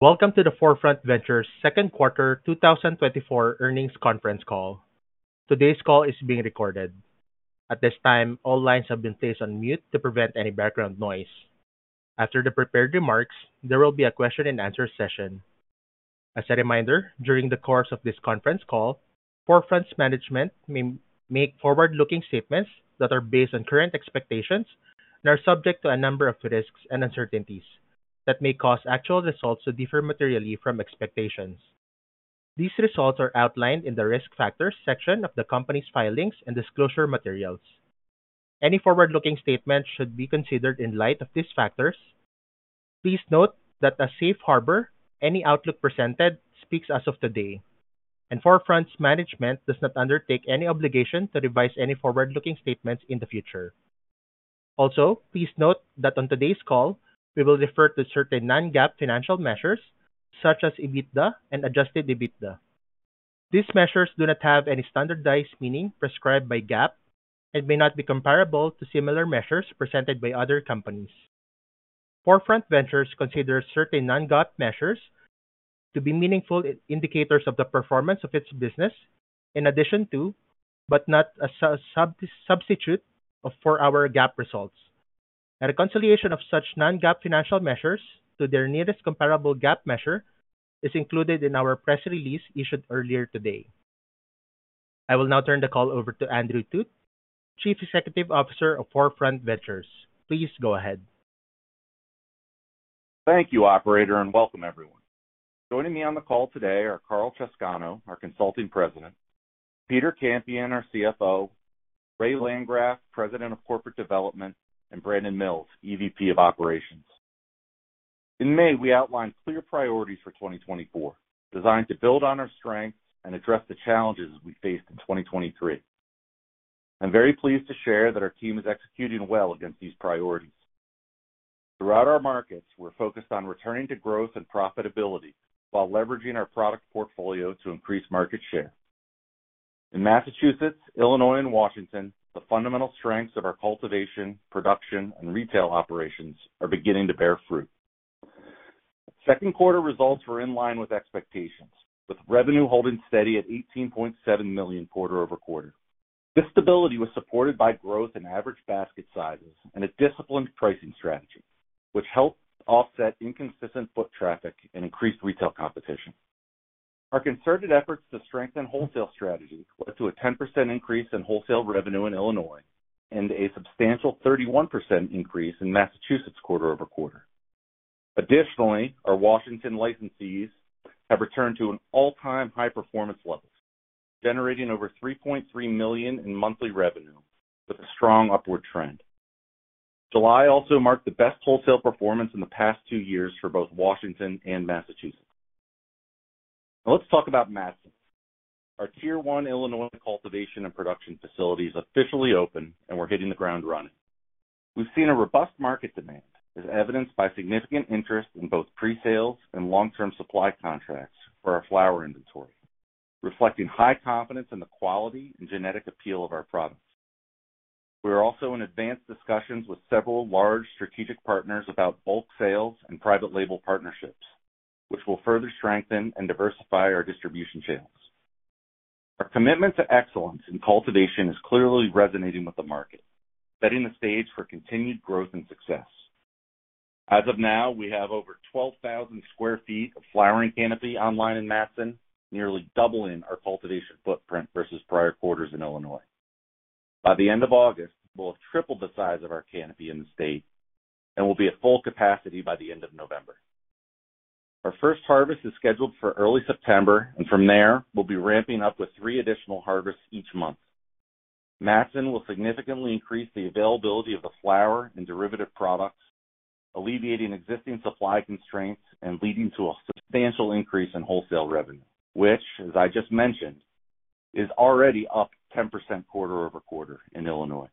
Welcome to the 4Front Ventures Second Quarter 2024 Earnings Conference Call. Today's call is being recorded. At this time, all lines have been placed on mute to prevent any background noise. After the prepared remarks, there will be a question and answer session. As a reminder, during the course of this conference call, 4Front's management may make forward-looking statements that are based on current expectations and are subject to a number of risks and uncertainties that may cause actual results to differ materially from expectations. These results are outlined in the Risk Factors section of the company's filings and disclosure materials. Any forward-looking statement should be considered in light of these factors. Please note that as Safe Harbor, any outlook presented speaks as of today, and 4Front's management does not undertake any obligation to revise any forward-looking statements in the future. Also, please note that on today's call, we will refer to certain non-GAAP financial measures, such as EBITDA and adjusted EBITDA. These measures do not have any standardized meaning prescribed by GAAP and may not be comparable to similar measures presented by other companies. 4Front Ventures consider certain non-GAAP measures to be meaningful indicators of the performance of its business, in addition to, but not as a sub-substitute for our GAAP results. A reconciliation of such non-GAAP financial measures to their nearest comparable GAAP measure is included in our press release issued earlier today. I will now turn the call over to Andrew Thut, Chief Executive Officer of 4Front Ventures. Please go ahead. Thank you, operator, and welcome everyone. Joining me on the call today are Karl Chowscano, our Consulting President; Peter Kampian, our CFO; Ray Landgraf, President of Corporate Development; and Brandon Mills, EVP of Operations. In May, we outlined clear priorities for 2024, designed to build on our strengths and address the challenges we faced in 2023. I'm very pleased to share that our team is executing well against these priorities. Throughout our markets, we're focused on returning to growth and profitability while leveraging our product portfolio to increase market share. In Massachusetts, Illinois, and Washington, the fundamental strengths of our cultivation, production, and retail operations are beginning to bear fruit. Second quarter results were in line with expectations, with revenue holding steady at $18.7 million quarter-over-quarter. This stability was supported by growth in average basket sizes and a disciplined pricing strategy, which helped offset inconsistent foot traffic and increased retail competition. Our concerted efforts to strengthen wholesale strategy led to a 10% increase in wholesale revenue in Illinois and a substantial 31% increase in Massachusetts quarter-over-quarter. Additionally, our Washington licensees have returned to an all-time high performance level, generating over $3.3 million in monthly revenue with a strong upward trend. July also marked the best wholesale performance in the past 2 years for both Washington and Massachusetts. Now, let's talk about Matteson. Our Tier 1 Illinois cultivation and production facilities officially open, and we're hitting the ground running. We've seen a robust market demand, as evidenced by significant interest in both pre-sales and long-term supply contracts for our flower inventory, reflecting high confidence in the quality and genetic appeal of our products. We are also in advanced discussions with several large strategic partners about bulk sales and private label partnerships, which will further strengthen and diversify our distribution channels. Our commitment to excellence in cultivation is clearly resonating with the market, setting the stage for continued growth and success. As of now, we have over 12,000 sq ft of flowering canopy online in Matteson, nearly doubling our cultivation footprint versus prior quarters in Illinois. By the end of August, we'll have tripled the size of our canopy in the state and will be at full capacity by the end of November. Our first harvest is scheduled for early September, and from there, we'll be ramping up with three additional harvests each month. Matteson will significantly increase the availability of the flower and derivative products, alleviating existing supply constraints and leading to a substantial increase in wholesale revenue, which, as I just mentioned, is already up 10% quarter-over-quarter in Illinois.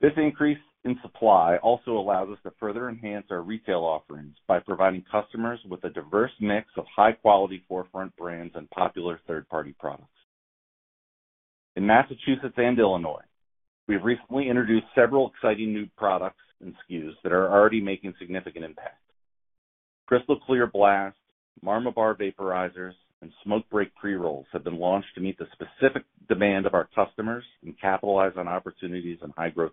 This increase in supply also allows us to further enhance our retail offerings by providing customers with a diverse mix of high-quality 4Front brands and popular third-party products. In Massachusetts and Illinois, we've recently introduced several exciting new products and SKUs that are already making a significant impact. Crystal Clear Blast, Marmas Bar Vaporizers, and Smoke Breaks Pre-Rolls have been launched to meet the specific demand of our customers and capitalize on opportunities in high-growth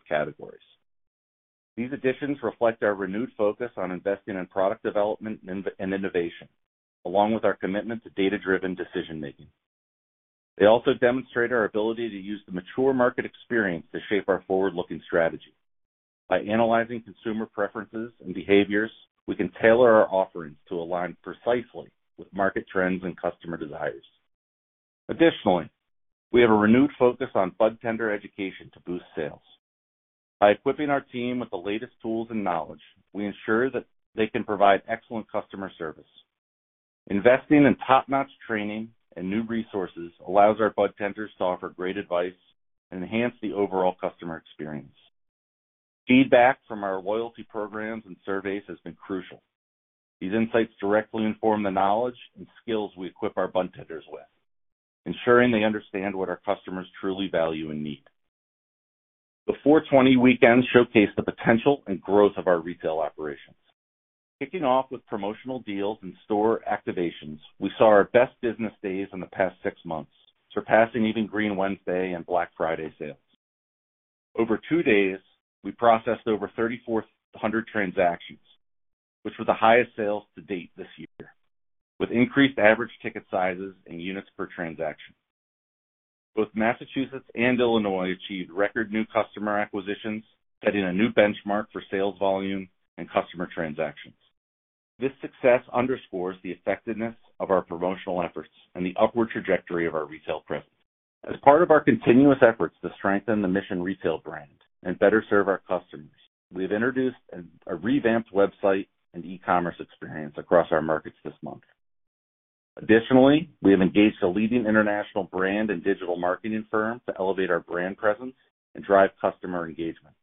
categories. These additions reflect our renewed focus on investing in product development and R&D and innovation, along with our commitment to data-driven decision-making. They also demonstrate our ability to use the mature market experience to shape our forward-looking strategy. By analyzing consumer preferences and behaviors, we can tailor our offerings to align precisely with market trends and customer desires. Additionally, we have a renewed focus on budtender education to boost sales. By equipping our team with the latest tools and knowledge, we ensure that they can provide excellent customer service. Investing in top-notch training and new resources allows our budtenders to offer great advice and enhance the overall customer experience. Feedback from our loyalty programs and surveys has been crucial. These insights directly inform the knowledge and skills we equip our budtenders with, ensuring they understand what our customers truly value and need.... The 420 weekend showcased the potential and growth of our retail operations. Kicking off with promotional deals and store activations, we saw our best business days in the past six months, surpassing even Green Wednesday and Black Friday sales. Over two days, we processed over 3,400 transactions, which was the highest sales to date this year, with increased average ticket sizes and units per transaction. Both Massachusetts and Illinois achieved record new customer acquisitions, setting a new benchmark for sales volume and customer transactions. This success underscores the effectiveness of our promotional efforts and the upward trajectory of our retail presence. As part of our continuous efforts to strengthen the Mission retail brand and better serve our customers, we've introduced a revamped website and e-commerce experience across our markets this month. Additionally, we have engaged a leading international brand and digital marketing firm to elevate our brand presence and drive customer engagement.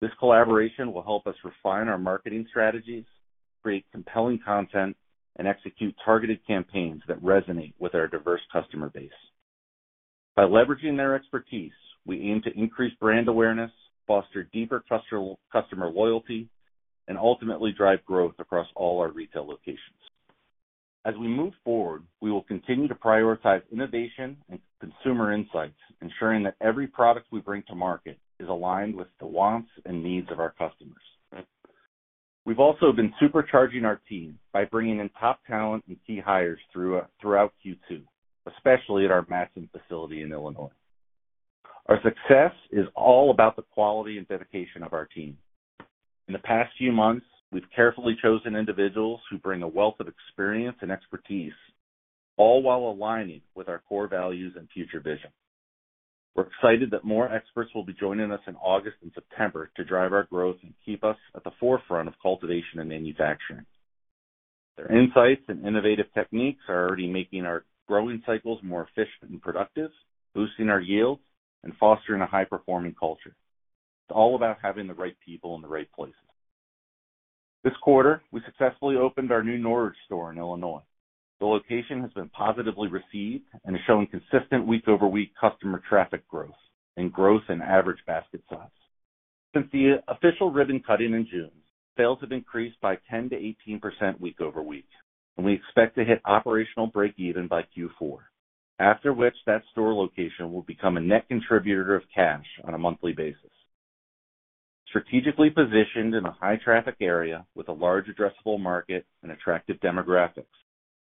This collaboration will help us refine our marketing strategies, create compelling content, and execute targeted campaigns that resonate with our diverse customer base. By leveraging their expertise, we aim to increase brand awareness, foster deeper customer loyalty, and ultimately drive growth across all our retail locations. As we move forward, we will continue to prioritize innovation and consumer insights, ensuring that every product we bring to market is aligned with the wants and needs of our customers. We've also been supercharging our team by bringing in top talent and key hires throughout Q2, especially at our Matteson facility in Illinois. Our success is all about the quality and dedication of our team. In the past few months, we've carefully chosen individuals who bring a wealth of experience and expertise, all while aligning with our core values and future vision. We're excited that more experts will be joining us in August and September to drive our growth and keep us at the forefront of cultivation and manufacturing. Their insights and innovative techniques are already making our growing cycles more efficient and productive, boosting our yields, and fostering a high-performing culture. It's all about having the right people in the right places. This quarter, we successfully opened our new Norridge store in Illinois. The location has been positively received and is showing consistent week-over-week customer traffic growth and growth in average basket size. Since the official ribbon cutting in June, sales have increased by 10%-18% week-over-week, and we expect to hit operational breakeven by Q4, after which that store location will become a net contributor of cash on a monthly basis. Strategically positioned in a high-traffic area with a large addressable market and attractive demographics,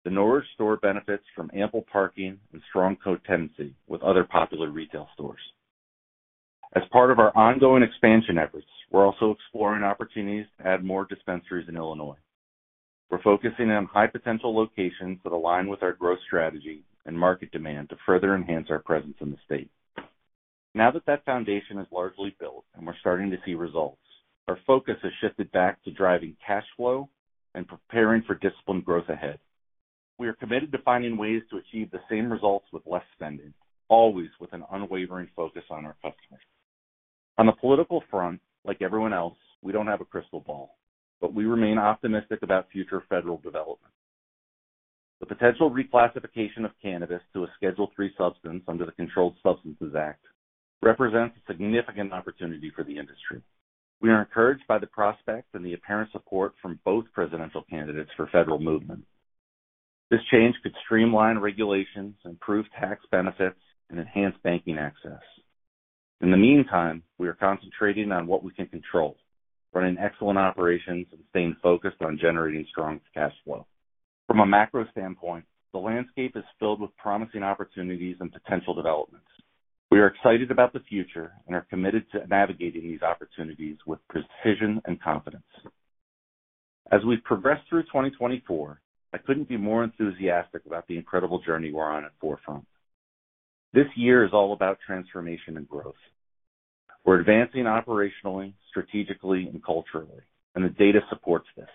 the Norridge store benefits from ample parking and strong co-tenancy with other popular retail stores. As part of our ongoing expansion efforts, we're also exploring opportunities to add more dispensaries in Illinois. We're focusing on high-potential locations that align with our growth strategy and market demand to further enhance our presence in the state. Now that that foundation is largely built and we're starting to see results, our focus has shifted back to driving cash flow and preparing for disciplined growth ahead. We are committed to finding ways to achieve the same results with less spending, always with an unwavering focus on our customers. On the political front, like everyone else, we don't have a crystal ball, but we remain optimistic about future federal development. The potential reclassification of cannabis to a Schedule III substance under the Controlled Substances Act represents a significant opportunity for the industry. We are encouraged by the prospect and the apparent support from both presidential candidates for federal movement. This change could streamline regulations, improve tax benefits, and enhance banking access. In the meantime, we are concentrating on what we can control, running excellent operations and staying focused on generating strong cash flow. From a macro standpoint, the landscape is filled with promising opportunities and potential developments. We are excited about the future and are committed to navigating these opportunities with precision and confidence. As we progress through 2024, I couldn't be more enthusiastic about the incredible journey we're on at 4Front. This year is all about transformation and growth. We're advancing operationally, strategically, and culturally, and the data supports this.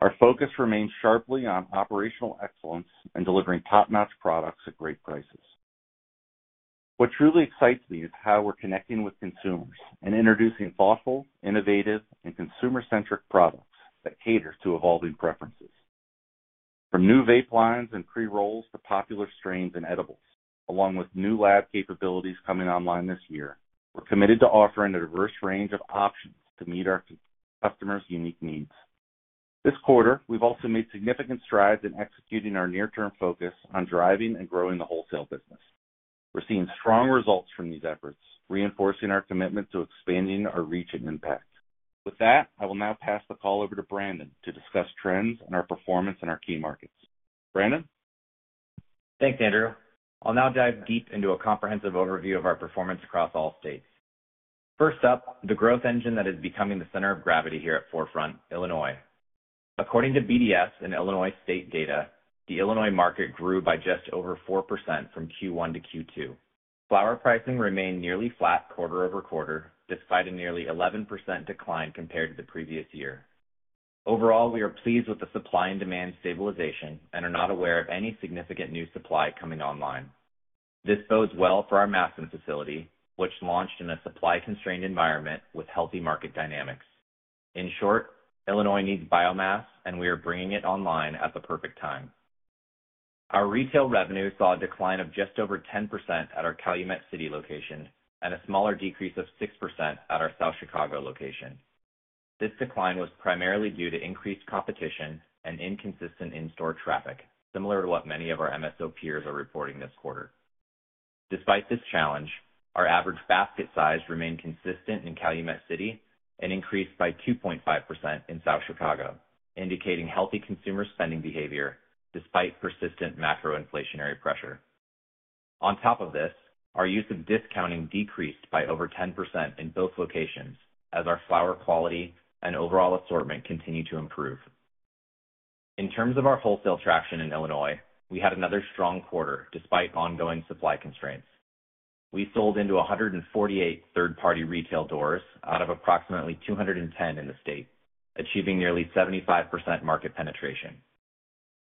Our focus remains sharply on operational excellence and delivering top-notch products at great prices. What truly excites me is how we're connecting with consumers and introducing thoughtful, innovative, and consumer-centric products that cater to evolving preferences. From new vape lines and pre-rolls to popular strains and edibles, along with new lab capabilities coming online this year, we're committed to offering a diverse range of options to meet our customers' unique needs. This quarter, we've also made significant strides in executing our near-term focus on driving and growing the wholesale business. We're seeing strong results from these efforts, reinforcing our commitment to expanding our reach and impact. With that, I will now pass the call over to Brandon to discuss trends and our performance in our key markets. Brandon? Thanks, Andrew. I'll now dive deep into a comprehensive overview of our performance across all states. First up, the growth engine that is becoming the center of gravity here at 4Front, Illinois. According to BDS and Illinois state data, the Illinois market grew by just over 4% from Q1-Q2. Flower pricing remained nearly flat quarter-over-quarter, despite a nearly 11% decline compared to the previous year. Overall, we are pleased with the supply and demand stabilization and are not aware of any significant new supply coming online. This bodes well for our Matteson facility, which launched in a supply-constrained environment with healthy market dynamics. In short, Illinois needs biomass, and we are bringing it online at the perfect time. Our retail revenue saw a decline of just over 10% at our Calumet City location and a smaller decrease of 6% at our South Chicago location. This decline was primarily due to increased competition and inconsistent in-store traffic, similar to what many of our MSO peers are reporting this quarter. Despite this challenge, our average basket size remained consistent in Calumet City and increased by 2.5% in South Chicago, indicating healthy consumer spending behavior despite persistent macro inflationary pressure. On top of this, our use of discounting decreased by over 10% in both locations as our flower quality and overall assortment continued to improve. In terms of our wholesale traction in Illinois, we had another strong quarter despite ongoing supply constraints. We sold into 148 third-party retail doors out of approximately 210 in the state, achieving nearly 75% market penetration.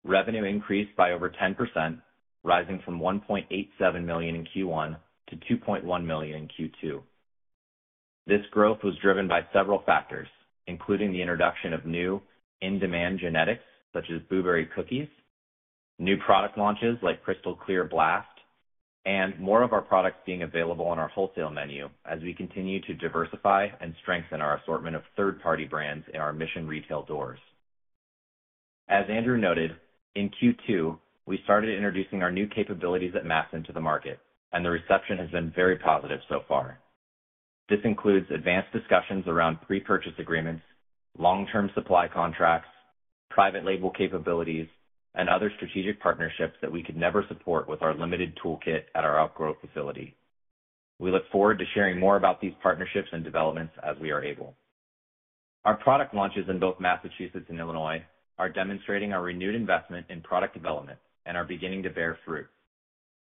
Revenue increased by over 10%, rising from $1.87 million in Q1 to $2.1 million in Q2. This growth was driven by several factors, including the introduction of new in-demand genetics, such as Blueberry Cookies, new product launches like Crystal Clear Blast, and more of our products being available on our wholesale menu as we continue to diversify and strengthen our assortment of third-party brands in our Mission retail doors. As Andrew noted, in Q2, we started introducing our new capabilities at Matteson to the market, and the reception has been very positive so far. This includes advanced discussions around pre-purchase agreements, long-term supply contracts, private label capabilities, and other strategic partnerships that we could never support with our limited toolkit at our Elk Grove facility. We look forward to sharing more about these partnerships and developments as we are able. Our product launches in both Massachusetts and Illinois are demonstrating our renewed investment in product development and are beginning to bear fruit.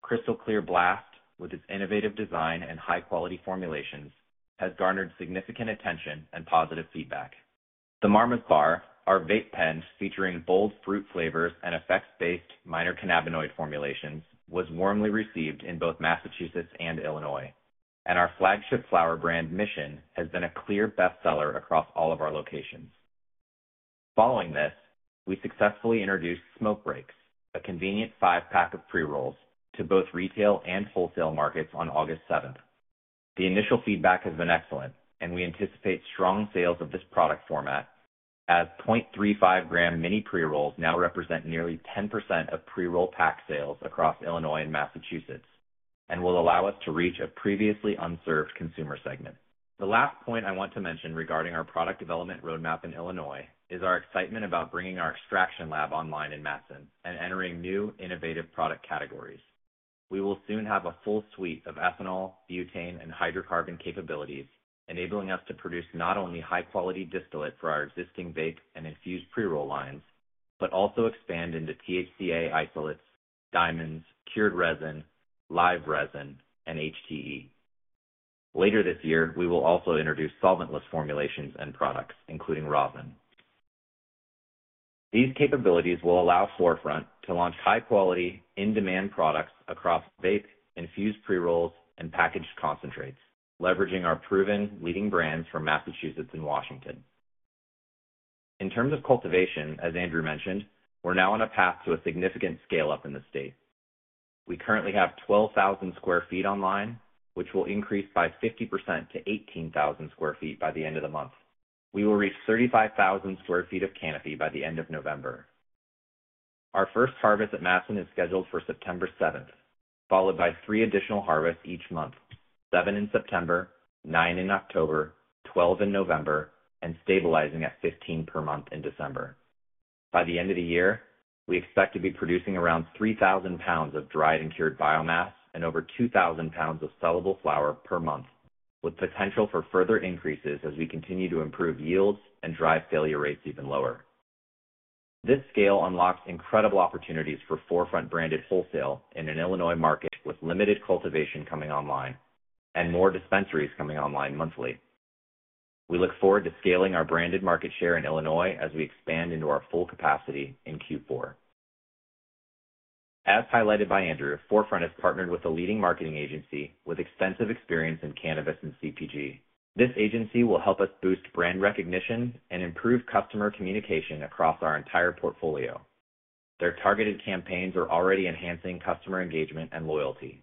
Crystal Clear Blast, with its innovative design and high-quality formulations, has garnered significant attention and positive feedback. The Marmas Bar, our vape pen, featuring bold fruit flavors and effects-based minor cannabinoid formulations, was warmly received in both Massachusetts and Illinois, and our flagship flower brand, Mission, has been a clear bestseller across all of our locations. Following this, we successfully introduced Smoke Breaks, a convenient five-pack of pre-rolls, to both retail and wholesale markets on August seventh. The initial feedback has been excellent, and we anticipate strong sales of this product format as 0.35-gram mini pre-rolls now represent nearly 10% of pre-roll pack sales across Illinois and Massachusetts and will allow us to reach a previously unserved consumer segment. The last point I want to mention regarding our product development roadmap in Illinois is our excitement about bringing our extraction lab online in Matteson and entering new innovative product categories. We will soon have a full suite of ethanol, butane, and hydrocarbon capabilities, enabling us to produce not only high-quality distillate for our existing vape and infused pre-roll lines, but also expand into THCA isolates, diamonds, cured resin, live resin, and HTE. Later this year, we will also introduce solventless formulations and products, including rosin. These capabilities will allow 4Front to launch high-quality, in-demand products across vape, infused pre-rolls, and packaged concentrates, leveraging our proven leading brands from Massachusetts and Washington. In terms of cultivation, as Andrew mentioned, we're now on a path to a significant scale-up in the state. We currently have 12,000 sq ft online, which will increase by 50% to 18,000 sq ft by the end of the month. We will reach 35,000 sq ft of canopy by the end of November. Our first harvest at Matteson is scheduled for September seventh, followed by three additional harvests each month, 7 in September, 9 in October, 12 in November, and stabilizing at 15 per month in December. By the end of the year, we expect to be producing around 3,000 pounds of dried and cured biomass and over 2,000 pounds of sellable flower per month, with potential for further increases as we continue to improve yields and drive failure rates even lower. This scale unlocks incredible opportunities for 4Front-branded wholesale in an Illinois market with limited cultivation coming online and more dispensaries coming online monthly. We look forward to scaling our branded market share in Illinois as we expand into our full capacity in Q4. As highlighted by Andrew, 4Front has partnered with a leading marketing agency with extensive experience in cannabis and CPG. This agency will help us boost brand recognition and improve customer communication across our entire portfolio. Their targeted campaigns are already enhancing customer engagement and loyalty.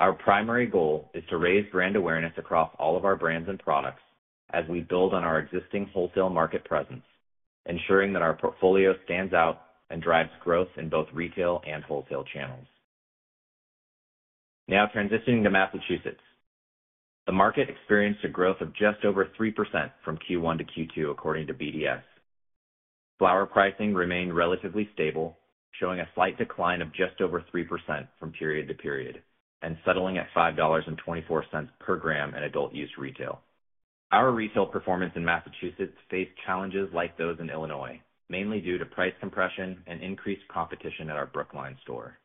Our primary goal is to raise brand awareness across all of our brands and products as we build on our existing wholesale market presence, ensuring that our portfolio stands out and drives growth in both retail and wholesale channels. Now transitioning to Massachusetts. The market experienced a growth of just over 3% from Q1-Q2, according to BDS. Flower pricing remained relatively stable, showing a slight decline of just over 3% from period to period, and settling at $5.24 per gram in adult use retail. Our retail performance in Massachusetts faced challenges like those in Illinois, mainly due to price compression and increased competition at our Brookline store.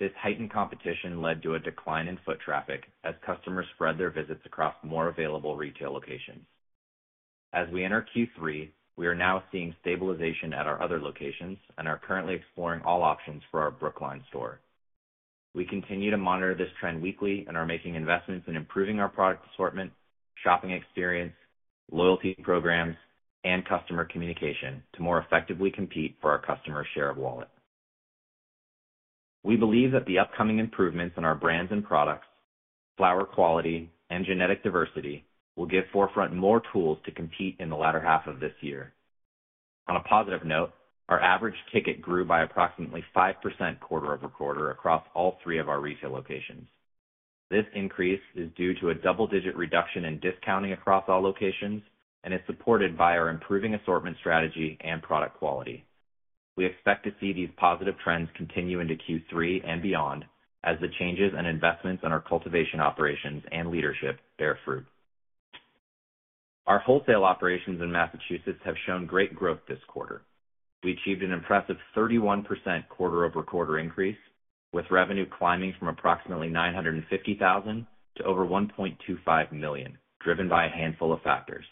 This heightened competition led to a decline in foot traffic as customers spread their visits across more available retail locations. As we enter Q3, we are now seeing stabilization at our other locations and are currently exploring all options for our Brookline store. We continue to monitor this trend weekly and are making investments in improving our product assortment, shopping experience, loyalty programs, and customer communication to more effectively compete for our customer share of wallet. We believe that the upcoming improvements in our brands and products, flower quality, and genetic diversity will give 4Front more tools to compete in the latter half of this year. On a positive note, our average ticket grew by approximately 5% quarter-over-quarter across all three of our retail locations. This increase is due to a double-digit reduction in discounting across all locations and is supported by our improving assortment strategy and product quality. We expect to see these positive trends continue into Q3 and beyond, as the changes and investments in our cultivation operations and leadership bear fruit. Our wholesale operations in Massachusetts have shown great growth this quarter. We achieved an impressive 31% quarter-over-quarter increase, with revenue climbing from approximately $950,000 to over $1.25 million, driven by a handful of factors.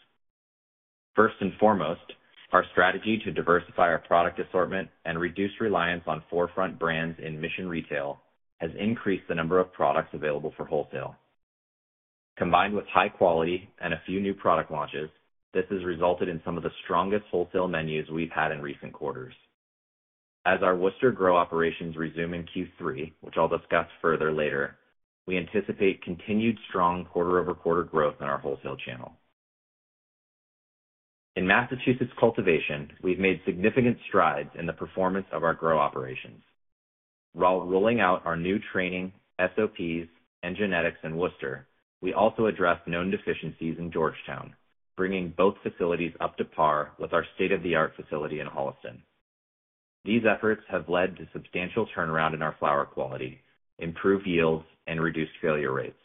First and foremost, our strategy to diversify our product assortment and reduce reliance on 4Front brands in Mission retail has increased the number of products available for wholesale. Combined with high quality and a few new product launches, this has resulted in some of the strongest wholesale menus we've had in recent quarters. As our Worcester Grow operations resume in Q3, which I'll discuss further later, we anticipate continued strong quarter-over-quarter growth in our wholesale channel. In Massachusetts cultivation, we've made significant strides in the performance of our grow operations. While rolling out our new training, SOPs, and genetics in Worcester, we also addressed known deficiencies in Georgetown, bringing both facilities up to par with our state-of-the-art facility in Holliston. These efforts have led to substantial turnaround in our flower quality, improved yields, and reduced failure rates.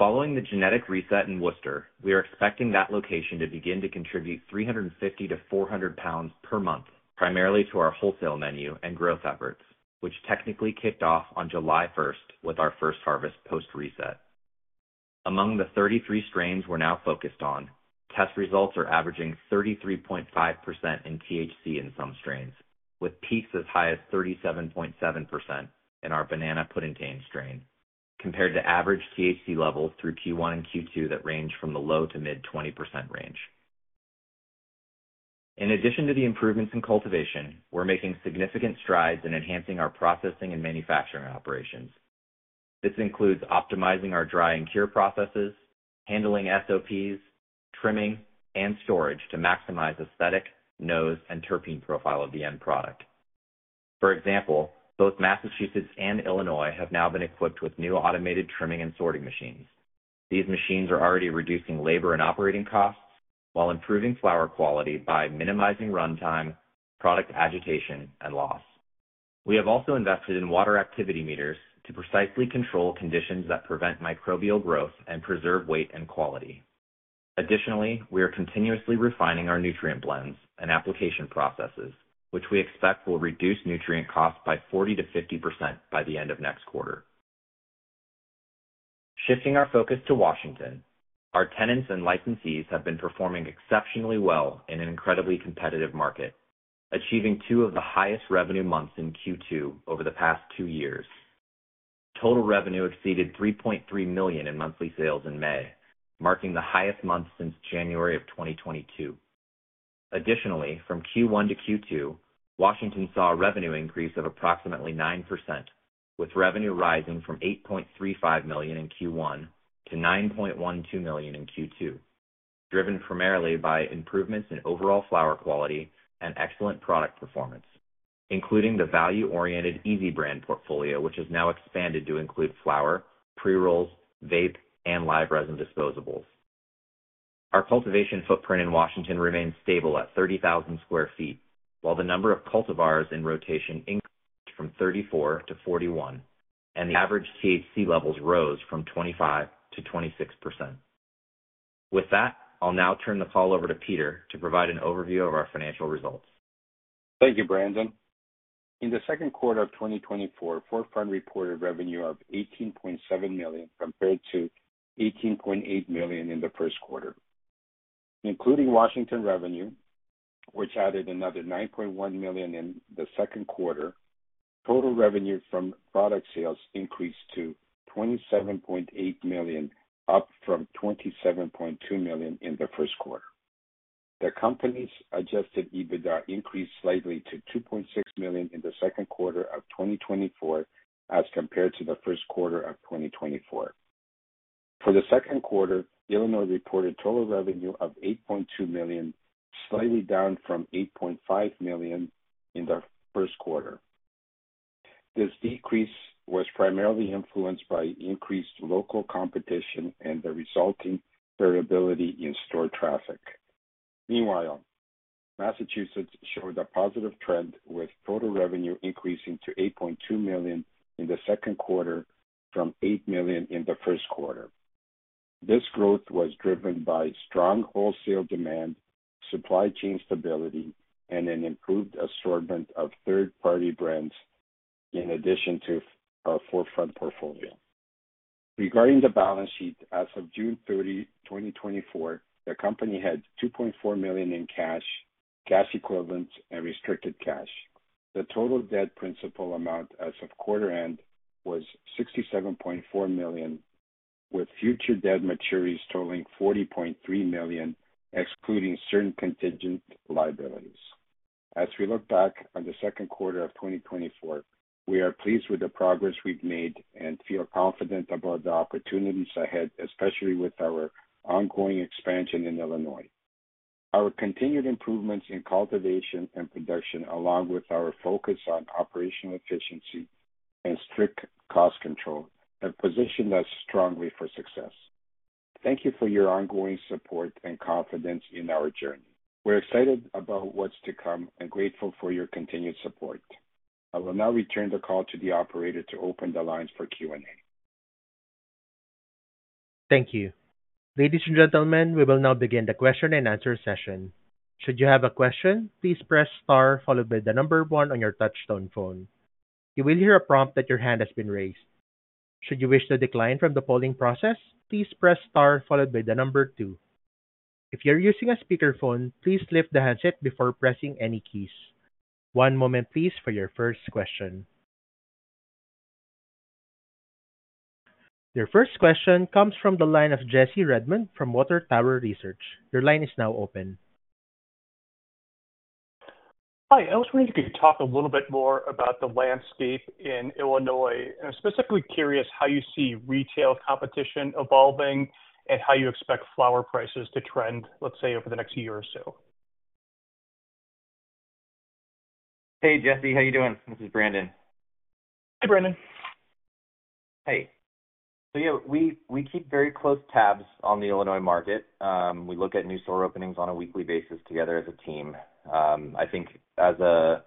Following the genetic reset in Worcester, we are expecting that location to begin to contribute 350-400 pounds per month, primarily to our wholesale menu and growth efforts, which technically kicked off on July 1st with our first harvest post-reset. Among the 33 strains we're now focused on, test results are averaging 33.5% in THC in some strains, with peaks as high as 37.7% in our Banana Puddintain strain, compared to average THC levels through Q1 and Q2 that range from the low- to mid-20% range. In addition to the improvements in cultivation, we're making significant strides in enhancing our processing and manufacturing operations. This includes optimizing our dry and cure processes, handling SOPs, trimming, and storage to maximize aesthetic, nose, and terpene profile of the end product. For example, both Massachusetts and Illinois have now been equipped with new automated trimming and sorting machines. These machines are already reducing labor and operating costs while improving flower quality by minimizing runtime, product agitation, and loss. We have also invested in water activity meters to precisely control conditions that prevent microbial growth and preserve weight and quality. Additionally, we are continuously refining our nutrient blends and application processes, which we expect will reduce nutrient costs by 40%-50% by the end of next quarter. Shifting our focus to Washington, our tenants and licensees have been performing exceptionally well in an incredibly competitive market, achieving two of the highest revenue months in Q2 over the past two years. Total revenue exceeded $3.3 million in monthly sales in May, marking the highest month since January 2022. Additionally, from Q1 to Q2, Washington saw a revenue increase of approximately 9%, with revenue rising from $8.35 million in Q1 to $9.12 million in Q2, driven primarily by improvements in overall flower quality and excellent product performance, including the value-oriented Easy brand portfolio, which has now expanded to include flower, pre-rolls, vape, and live resin disposables. Our cultivation footprint in Washington remains stable at 30,000 sq ft, while the number of cultivars in rotation increased from 34 to 41, and the average THC levels rose from 25 to 26%. With that, I'll now turn the call over to Peter to provide an overview of our financial results. Thank you, Brandon. In the second quarter of 2024, 4Front reported revenue of $18.7 million, compared to $18.8 million in the first quarter. Including Washington revenue, which added another $9.1 million in the second quarter, total revenue from product sales increased to $27.8 million, up from $27.2 million in the first quarter. The company's Adjusted EBITDA increased slightly to $2.6 million in the second quarter of 2024 as compared to the first quarter of 2024. For the second quarter, Illinois reported total revenue of $8.2 million, slightly down from $8.5 million in the first quarter. This decrease was primarily influenced by increased local competition and the resulting variability in store traffic. Meanwhile, Massachusetts showed a positive trend, with total revenue increasing to $8.2 million in the second quarter from $8 million in the first quarter. This growth was driven by strong wholesale demand, supply chain stability, and an improved assortment of third-party brands in addition to our 4Front portfolio.... Regarding the balance sheet, as of June 30, 2024, the company had $2.4 million in cash, cash equivalents, and restricted cash. The total debt principal amount as of quarter end was $67.4 million, with future debt maturities totaling $40.3 million, excluding certain contingent liabilities. As we look back on the second quarter of 2024, we are pleased with the progress we've made and feel confident about the opportunities ahead, especially with our ongoing expansion in Illinois. Our continued improvements in cultivation and production, along with our focus on operational efficiency and strict cost control, have positioned us strongly for success. Thank you for your ongoing support and confidence in our journey. We're excited about what's to come and grateful for your continued support. I will now return the call to the operator to open the lines for Q&A. Thank you. Ladies and gentlemen, we will now begin the question-and-answer session. Should you have a question, please press star followed by the number one on your touchtone phone. You will hear a prompt that your hand has been raised. Should you wish to decline from the polling process, please press star followed by the number two. If you're using a speakerphone, please lift the handset before pressing any keys. One moment, please, for your first question. Your first question comes from the line of Jesse Redmond from Water Tower Research. Your line is now open. Hi, I was wondering if you could talk a little bit more about the landscape in Illinois. I'm specifically curious how you see retail competition evolving and how you expect flower prices to trend, let's say, over the next year or so. Hey, Jesse, how you doing? This is Brandon. Hi, Brandon. Hey. So, yeah, we keep very close tabs on the Illinois market. We look at new store openings on a weekly basis together as a team. I think as a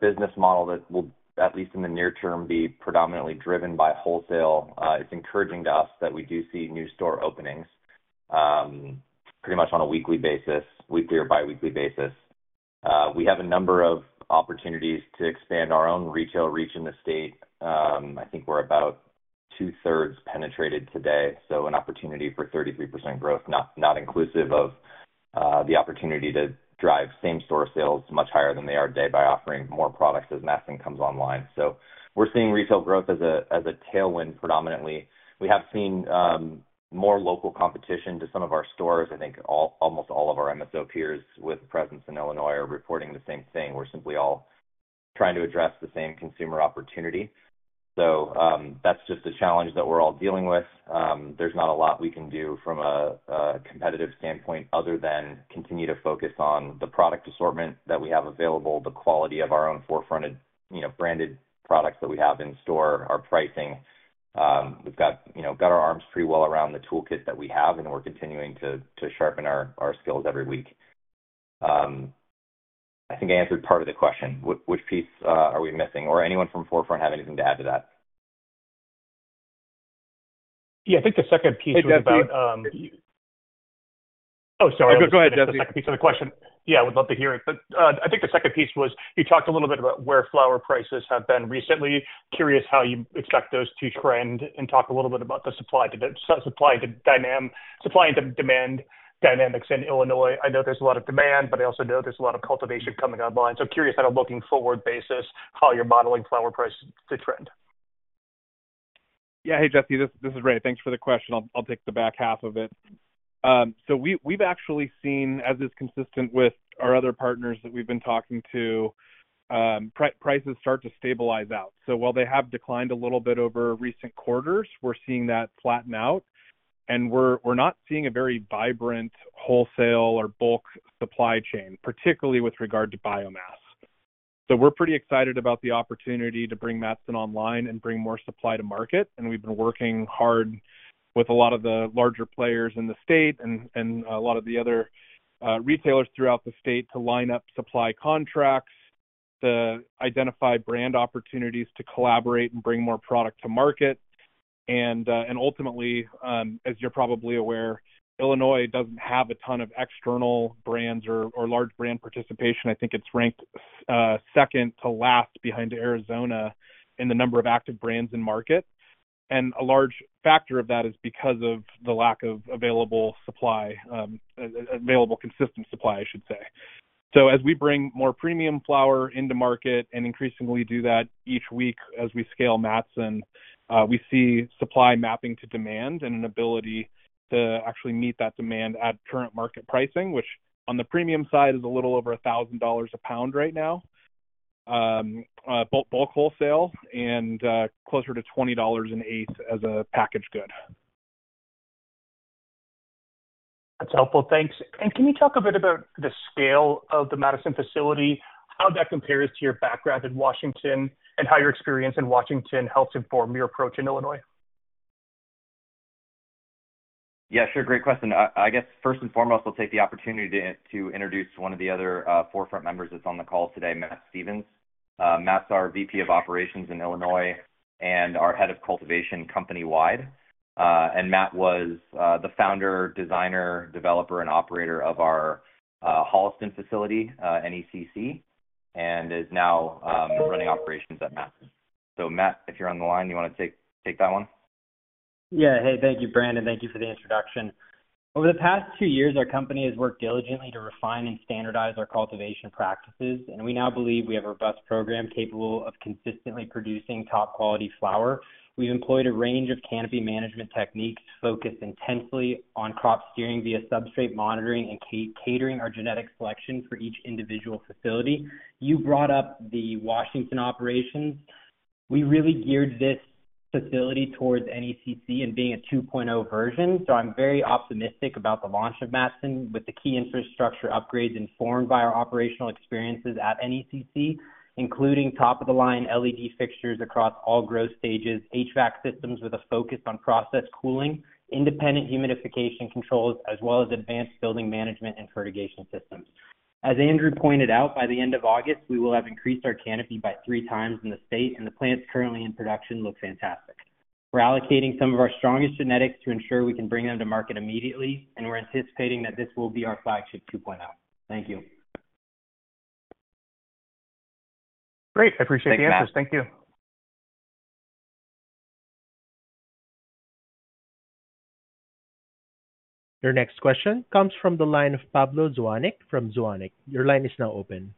business model, that will, at least in the near term, be predominantly driven by wholesale. It's encouraging to us that we do see new store openings pretty much on a weekly basis, weekly or biweekly basis. We have a number of opportunities to expand our own retail reach in the state. I think we're about two-thirds penetrated today, so an opportunity for 33% growth, not inclusive of the opportunity to drive same-store sales much higher than they are today by offering more products as Matteson comes online. So we're seeing retail growth as a tailwind predominantly. We have seen more local competition to some of our stores. I think almost all of our MSO peers with presence in Illinois are reporting the same thing. We're simply all trying to address the same consumer opportunity. So, that's just a challenge that we're all dealing with. There's not a lot we can do from a competitive standpoint other than continue to focus on the product assortment that we have available, the quality of our own 4Front branded products that we have in store, our pricing. We've got, you know, our arms pretty well around the toolkit that we have, and we're continuing to sharpen our skills every week. I think I answered part of the question. Which piece are we missing, or anyone from 4Front have anything to add to that? Yeah, I think the second piece was about, Hey, Jesse. Oh, sorry. Go ahead, Jesse. The second piece of the question. Yeah, I would love to hear it, but I think the second piece was: You talked a little bit about where flower prices have been recently. Curious how you expect those to trend, and talk a little bit about the supply and demand dynamics in Illinois. I know there's a lot of demand, but I also know there's a lot of cultivation coming online. So curious on a looking-forward basis, how you're modeling flower prices to trend. Yeah. Hey, Jesse, this is Ray. Thanks for the question. I'll take the back half of it. So we've actually seen, as is consistent with our other partners that we've been talking to, prices start to stabilize out. So while they have declined a little bit over recent quarters, we're seeing that flatten out, and we're not seeing a very vibrant wholesale or bulk supply chain, particularly with regard to biomass. So we're pretty excited about the opportunity to bring Matteson online and bring more supply to market, and we've been working hard with a lot of the larger players in the state and a lot of the other retailers throughout the state to line up supply contracts, to identify brand opportunities to collaborate and bring more product to market. And ultimately, as you're probably aware, Illinois doesn't have a ton of external brands or large brand participation. I think it's ranked second to last behind Arizona in the number of active brands in market. And a large factor of that is because of the lack of available supply, available, consistent supply, I should say. So as we bring more premium flower into market and increasingly do that each week as we scale Matteson, we see supply mapping to demand and an ability to actually meet that demand at current market pricing, which on the premium side, is a little over $1,000 a pound right now, bulk wholesale, and closer to $20 an eighth as a packaged good. That's helpful. Thanks. Can you talk a bit about the scale of the Matteson facility, how that compares to your background in Washington, and how your experience in Washington helps inform your approach in Illinois? Yeah, sure. Great question. I guess, first and foremost, I'll take the opportunity to introduce one of the other 4Front members that's on the call today, Matt Stevens. Matt's our VP of operations in Illinois and our head of cultivation company-wide.... and Matt was the founder, designer, developer, and operator of our Holliston facility, NECC, and is now running operations at Matteson. So Matt, if you're on the line, you wanna take that one? Yeah. Hey, thank you, Brandon. Thank you for the introduction. Over the past two years, our company has worked diligently to refine and standardize our cultivation practices, and we now believe we have a robust program capable of consistently producing top-quality flower. We've employed a range of canopy management techniques focused intensely on crop steering via substrate monitoring and catering our genetic selection for each individual facility. You brought up the Washington operations. We really geared this facility towards NECC and being a 2.0 version, so I'm very optimistic about the launch of Matteson, with the key infrastructure upgrades informed by our operational experiences at NECC, including top-of-the-line LED fixtures across all growth stages, HVAC systems with a focus on process cooling, independent humidification controls, as well as advanced building management and fertigation systems. As Andrew pointed out, by the end of August, we will have increased our canopy by three times in the state, and the plants currently in production look fantastic. We're allocating some of our strongest genetics to ensure we can bring them to market immediately, and we're anticipating that this will be our flagship 2.0. Thank you. Great, I appreciate the answers. Thank you. Your next question comes from the line of Pablo Zuanic from Zuanic. Your line is now open.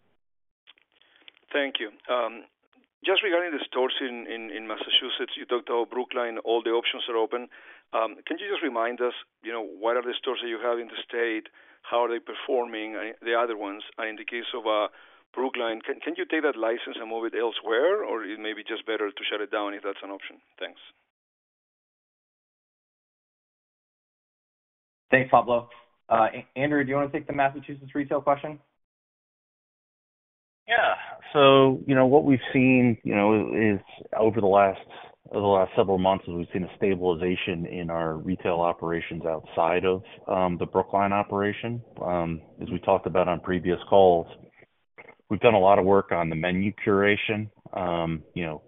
Thank you. Just regarding the stores in Massachusetts, you talked about Brookline, all the options are open. Can you just remind us, you know, what are the stores that you have in the state? How are they performing, the other ones? In the case of Brookline, can you take that license and move it elsewhere, or it may be just better to shut it down if that's an option? Thanks. Thanks, Pablo. Andrew, do you wanna take the Massachusetts retail question? Yeah. So, you know, what we've seen, you know, is over the last, over the last several months is we've seen a stabilization in our retail operations outside of the Brookline operation. As we talked about on previous calls, we've done a lot of work on the menu curation. You know,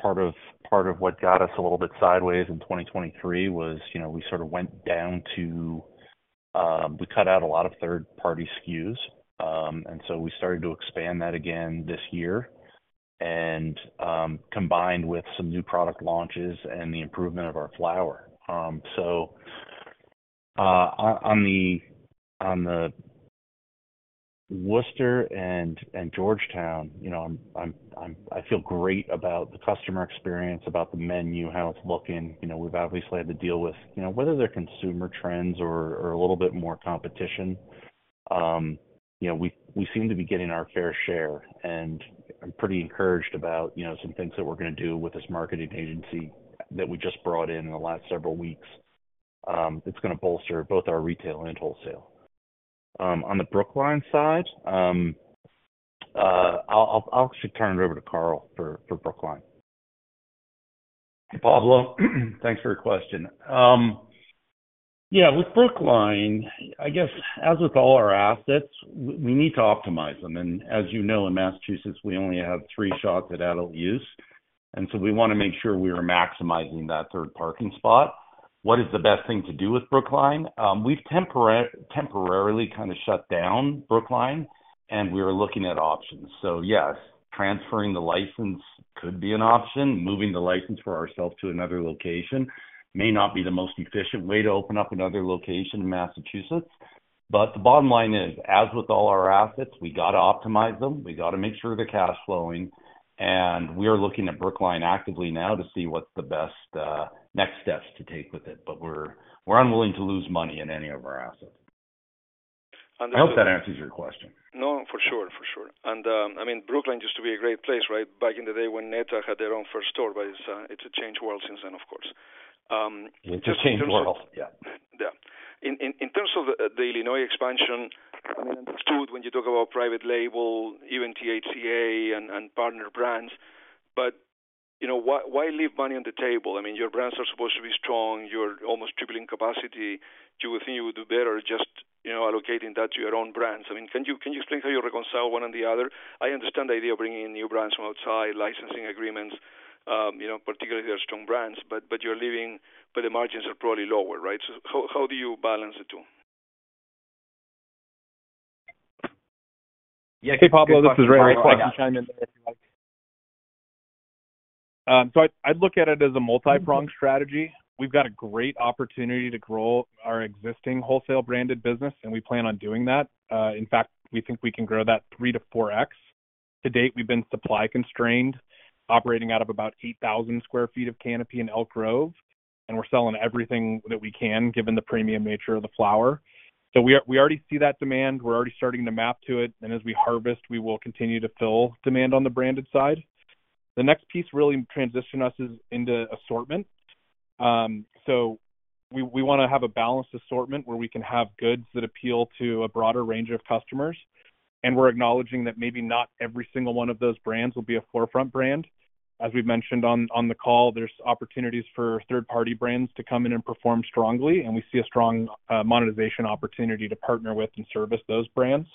part of, part of what got us a little bit sideways in 2023 was, you know, we sort of went down to, we cut out a lot of third-party SKUs. And so we started to expand that again this year and, combined with some new product launches and the improvement of our flower. So, on the Worcester and Georgetown, you know, I'm—I feel great about the customer experience, about the menu, how it's looking. You know, we've obviously had to deal with, you know, whether they're consumer trends or a little bit more competition, you know, we seem to be getting our fair share, and I'm pretty encouraged about, you know, some things that we're gonna do with this marketing agency that we just brought in in the last several weeks. It's gonna bolster both our retail and wholesale. On the Brookline side, I'll actually turn it over to Karl for Brookline. Hey, Pablo, thanks for your question. Yeah, with Brookline, I guess as with all our assets, we need to optimize them. And as you know, in Massachusetts, we only have three shots at adult use, and so we wanna make sure we are maximizing that third parking spot. What is the best thing to do with Brookline? We've temporarily kind of shut down Brookline, and we are looking at options. So yes, transferring the license could be an option. Moving the license for ourselves to another location may not be the most efficient way to open up another location in Massachusetts. But the bottom line is, as with all our assets, we got to optimize them, we got to make sure they're cash flowing, and we are looking at Brookline actively now to see what's the best next steps to take with it. But we're unwilling to lose money in any of our assets. And, uh- I hope that answers your question. No, for sure, for sure. I mean, Brookline used to be a great place, right? Back in the day when NETA had their own first store, but it's a changed world since then, of course. In terms of- It's a changed world, yeah. Yeah. In terms of the Illinois expansion, I mean, I understood when you talk about private label, even THCA and partner brands, but, you know, why leave money on the table? I mean, your brands are supposed to be strong. You're almost tripling capacity. You would think you would do better just, you know, allocating that to your own brands. I mean, can you explain how you reconcile one or the other? I understand the idea of bringing in new brands from outside, licensing agreements, you know, particularly if they are strong brands, but, but you're leaving... But the margins are probably lower, right? So how do you balance the two? Yeah, good question, Pablo. Hey, Pablo, this is Ray. I can chime in there if you like. So I'd look at it as a multipronged strategy. We've got a great opportunity to grow our existing wholesale branded business, and we plan on doing that. In fact, we think we can grow that 3-4x. To date, we've been supply constrained, operating out of about 8,000 sq ft of canopy in Elk Grove, and we're selling everything that we can, given the premium nature of the flower. We already see that demand. We're already starting to map to it, and as we harvest, we will continue to fill demand on the branded side. The next piece really transition us is into assortment. So we wanna have a balanced assortment where we can have goods that appeal to a broader range of customers, and we're acknowledging that maybe not every single one of those brands will be a 4Front brand. As we've mentioned on the call, there's opportunities for third-party brands to come in and perform strongly, and we see a strong monetization opportunity to partner with and service those brands.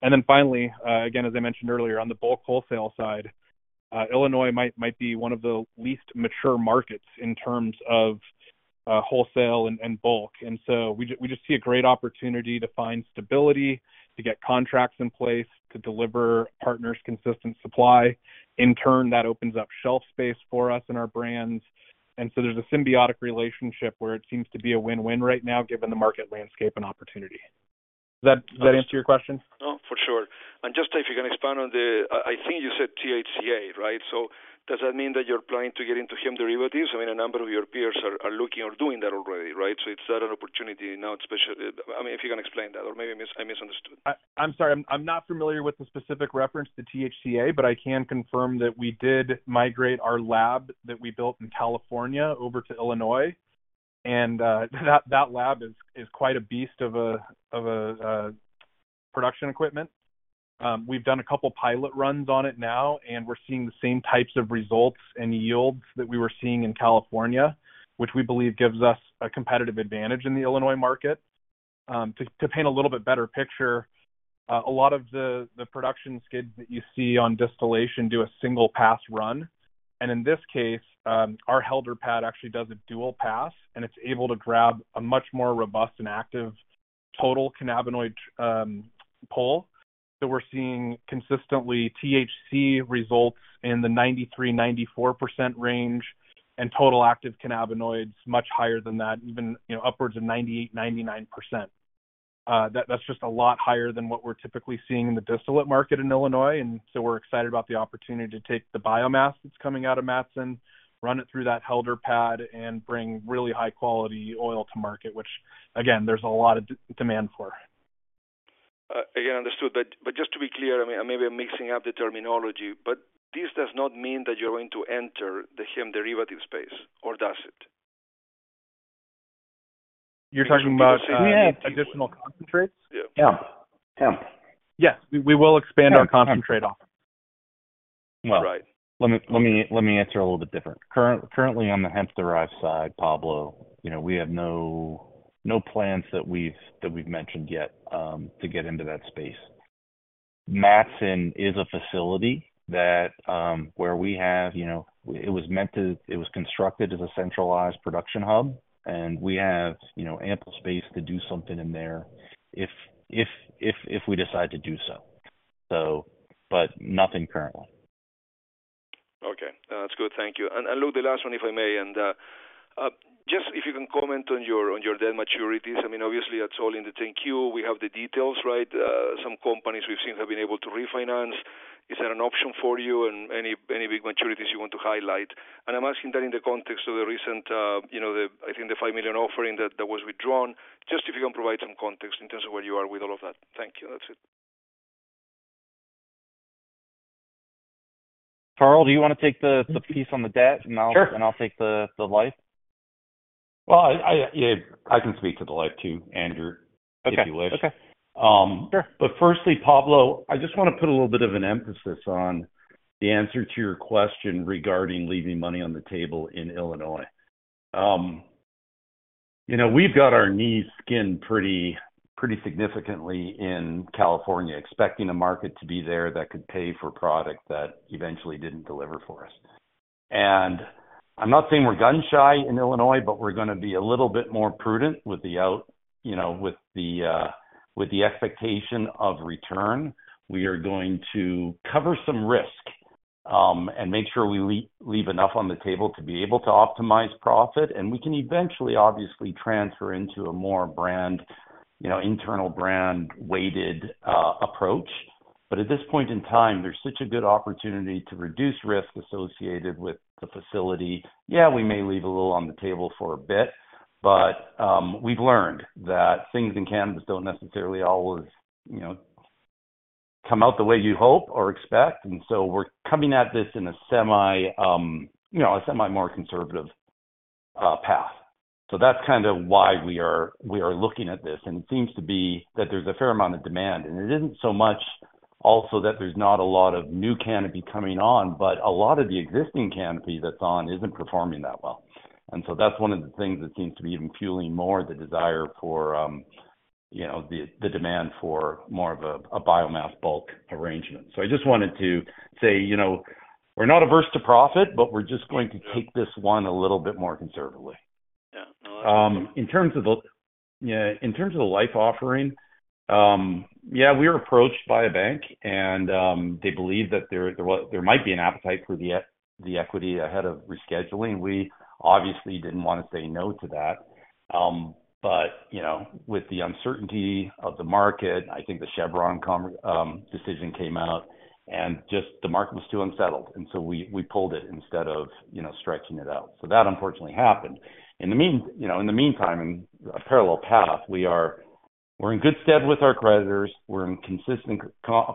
And then finally, again, as I mentioned earlier, on the bulk wholesale side, Illinois might be one of the least mature markets in terms of wholesale and bulk. And so we just see a great opportunity to find stability, to get contracts in place, to deliver partners consistent supply. In turn, that opens up shelf space for us and our brands. And so there's a symbiotic relationship where it seems to be a win-win right now, given the market landscape and opportunity. Does that, does that answer your question? Oh, for sure. And just if you can expand on the, I think you said THCA, right? So does that mean that you're planning to get into hemp derivatives? I mean, a number of your peers are looking or doing that already, right? So is that an opportunity now, especially, I mean, if you can explain that, or maybe I misunderstood. I'm sorry, I'm not familiar with the specific reference to THCA, but I can confirm that we did migrate our lab that we built in California over to Illinois. And that lab is quite a beast of a production equipment. We've done a couple pilot runs on it now, and we're seeing the same types of results and yields that we were seeing in California, which we believe gives us a competitive advantage in the Illinois market. To paint a little bit better picture, a lot of the production skids that you see on distillation do a single pass run. And in this case, our helder pad actually does a dual pass, and it's able to grab a much more robust and active total cannabinoid pull. We're seeing consistently THC results in the 93%-94% range, and total active cannabinoids much higher than that, even, you know, upwards of 98%-99%. That's just a lot higher than what we're typically seeing in the distillate market in Illinois, and so we're excited about the opportunity to take the biomass that's coming out of Matteson, run it through that helder pad, and bring really high-quality oil to market, which again, there's a lot of demand for. Again, understood. But just to be clear, I mean, maybe I'm mixing up the terminology, but this does not mean that you're going to enter the hemp derivative space, or does it? You're talking about additional concentrates? Yeah. Yeah. Yes, we will expand our concentrate off. Well- Right. Let me answer a little bit different. Currently, on the hemp-derived side, Pablo, you know, we have no plans that we've mentioned yet to get into that space. Matteson is a facility that, where we have, you know. It was constructed as a centralized production hub, and we have, you know, ample space to do something in there if we decide to do so, so, but nothing currently. Okay. That's good. Thank you. And look, the last one, if I may, and just if you can comment on your debt maturities. I mean, obviously, that's all in the 10-Q. We have the details, right? Some companies we've seen have been able to refinance. Is that an option for you and any big maturities you want to highlight? And I'm asking that in the context of the recent, you know, I think the $5 million offering that was withdrawn. Just if you can provide some context in terms of where you are with all of that. Thank you. That's it. Karl, do you wanna take the piece on the debt? Sure. And I'll take the life. Well, yeah, I can speak to the life, too, Andrew, if you wish. Okay. Okay. Sure. But firstly, Pablo, I just want to put a little bit of an emphasis on the answer to your question regarding leaving money on the table in Illinois. You know, we've got our knees skinned pretty, pretty significantly in California, expecting the market to be there that could pay for product that eventually didn't deliver for us. I'm not saying we're gun-shy in Illinois, but we're gonna be a little bit more prudent with the out, you know, with the, with the expectation of return. We are going to cover some risk, and make sure we leave enough on the table to be able to optimize profit, and we can eventually, obviously, transfer into a more brand, you know, internal brand-weighted, approach. At this point in time, there's such a good opportunity to reduce risk associated with the facility. Yeah, we may leave a little on the table for a bit, but we've learned that things in cannabis don't necessarily always, you know, come out the way you hope or expect, and so we're coming at this in a semi, you know, a semi more conservative path. So that's kind of why we are, we are looking at this, and it seems to be that there's a fair amount of demand, and it isn't so much also that there's not a lot of new canopy coming on, but a lot of the existing canopy that's on isn't performing that well. And so that's one of the things that seems to be even fueling more the desire for, you know, the demand for more of a biomass bulk arrangement. So I just wanted to say, you know, we're not averse to profit, but we're just going to take this one a little bit more conservatively. Yeah. In terms of the LIFE offering, yeah, we were approached by a bank, and they believe that there might be an appetite for the equity ahead of rescheduling. We obviously didn't want to say no to that. But, you know, with the uncertainty of the market, I think the Chevron decision came out, and just the market was too unsettled, and so we pulled it instead of, you know, stretching it out. So that unfortunately happened. In the meantime, you know, in a parallel path, we are, we're in good stead with our creditors, we're in consistent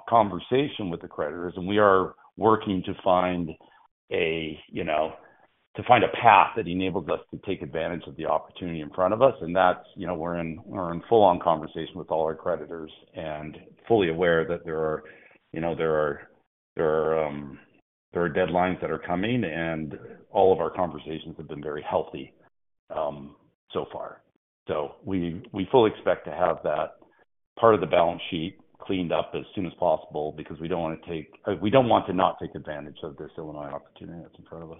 conversation with the creditors, and we are working to find, you know, a path that enables us to take advantage of the opportunity in front of us, and that's, you know, we're in, we're in full-on conversation with all our creditors and fully aware that there are, you know, there are deadlines that are coming, and all of our conversations have been very healthy, so far. So we, we fully expect to have that part of the balance sheet cleaned up as soon as possible because we don't wanna take, we don't want to not take advantage of this Illinois opportunity that's in front of us.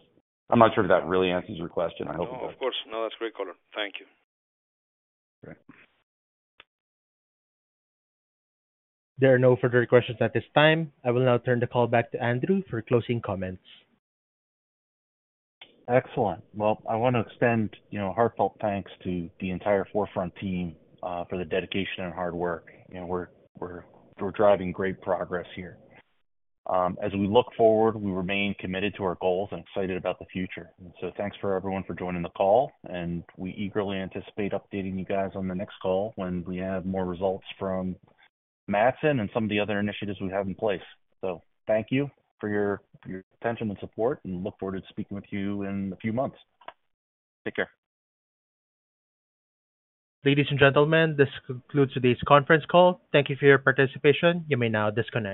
I'm not sure if that really answers your question. I hope it does. Oh, of course. No, that's great, Karl. Thank you. Okay. There are no further questions at this time. I will now turn the call back to Andrew for closing comments. Excellent. Well, I want to extend, you know, heartfelt thanks to the entire 4Front team for the dedication and hard work. You know, we're driving great progress here. As we look forward, we remain committed to our goals and excited about the future. And so thanks for everyone for joining the call, and we eagerly anticipate updating you guys on the next call when we have more results from Matteson and some of the other initiatives we have in place. So thank you for your attention and support, and look forward to speaking with you in a few months. Take care. Ladies and gentlemen, this concludes today's conference call. Thank you for your participation. You may now disconnect.